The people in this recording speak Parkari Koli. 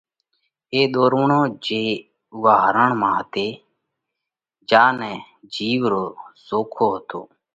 ايوئِي ۮورووڻ جيوَئي اُوئا هرڻ مانه هتئِي، جيا نئہ جِيوَ رو زوکو هتو۔